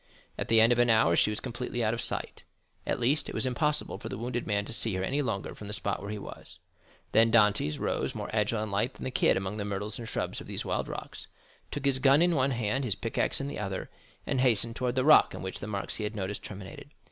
At the end of an hour she was completely out of sight; at least, it was impossible for the wounded man to see her any longer from the spot where he was. Then Dantès rose more agile and light than the kid among the myrtles and shrubs of these wild rocks, took his gun in one hand, his pickaxe in the other, and hastened towards the rock on which the marks he had noted terminated.